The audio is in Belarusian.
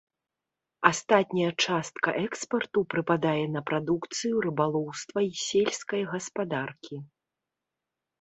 Астатняя частка экспарту прыпадае на прадукцыю рыбалоўства і сельскай гаспадаркі.